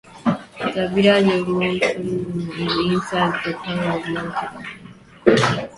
The Village of Montgomery is inside the Town of Montgomery.